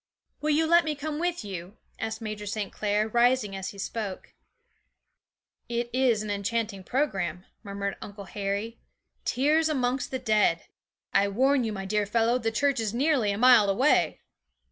'Will you let me come with you?' asked Major St. Clair, rising as he spoke. 'It is an enchanting programme,' murmured Uncle Harry; 'tears amongst the dead! I warn you, my dear fellow, the church is nearly a mile away.'